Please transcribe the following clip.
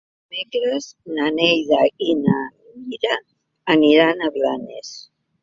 Dimecres na Neida i na Mira aniran a Blanes.